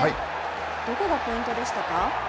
どこがポイントでしたか。